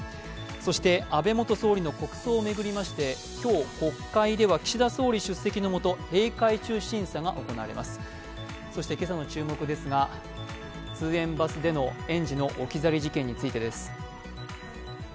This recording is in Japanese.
そして安倍元総理の国葬を巡りまして今日国会では岸田総理出席のもとそして今朝の注目ですが、通園バスでの園児の置き去り事件についてです。